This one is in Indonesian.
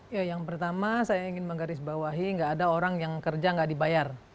ya yang pertama saya ingin menggarisbawahi nggak ada orang yang kerja nggak dibayar